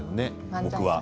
僕は。